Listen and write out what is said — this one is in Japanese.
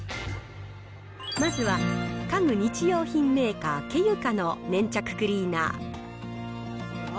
まずは、家具・日用品メーカー、ケユカの粘着クリーナー。